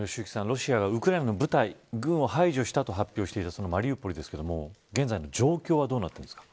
ロシア軍がウクライナの部隊軍を排除したと発表したマリウポリですが現在の状況はどうなっていますか。